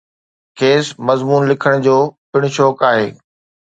کيس مضمون لکڻ جو پڻ شوق آهي.